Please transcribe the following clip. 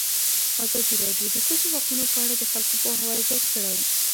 ازادي راډیو د د ښځو حقونه په اړه د خلکو پوهاوی زیات کړی.